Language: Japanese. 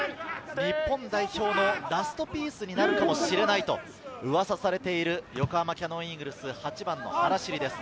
日本代表のラストピースになるかもしれないと噂されている、横浜キヤノンイーグルス、８番のハラシリです。